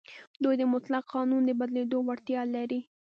دوی د مطلق قانون د بدلېدو وړتیا لري.